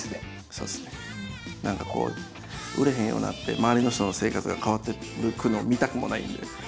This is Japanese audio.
何かこう売れへんようになって周りの人の生活が変わっていくのを見たくもないんで。